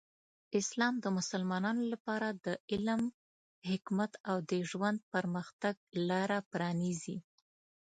اسلام د مسلمانانو لپاره د علم، حکمت، او د ژوند پرمختګ لاره پرانیزي.